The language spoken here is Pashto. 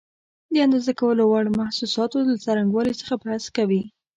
د اندازه کولو وړ محسوساتو له څرنګوالي څخه بحث کوي.